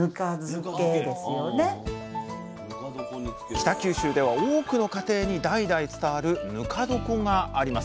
北九州では多くの家庭に代々伝わるぬか床があります。